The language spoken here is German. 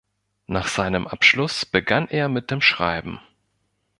Nach seinem Abschluss begann er mit dem Schreiben.